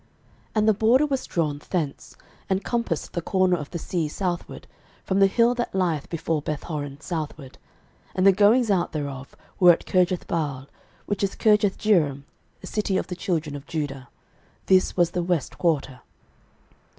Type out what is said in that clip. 06:018:014 And the border was drawn thence, and compassed the corner of the sea southward, from the hill that lieth before Bethhoron southward; and the goings out thereof were at Kirjathbaal, which is Kirjathjearim, a city of the children of Judah: this was the west quarter.